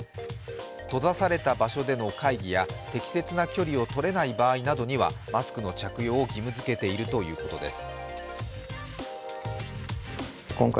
閉ざされた場所での会議や適切な距離をとれない場合などにはマスクの着用を義務づけているということです。